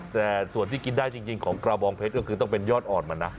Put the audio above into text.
แต่ส่วนที่กินได้จริงของกระบองเพชรก็คือต้องเป็นยอดอ่อนมันนะ